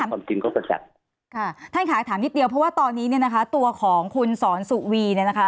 คุณค่ะท่านขอถามนิดเดียวเพราะว่าตอนนี้เนี่ยนะคะตัวของคุณสอนสุวีเนี่ยนะคะ